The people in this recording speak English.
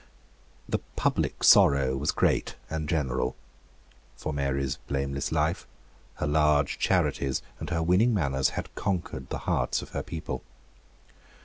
The public sorrow was great and general. For Mary's blameless life, her large charities and her winning manners had conquered the hearts of her people.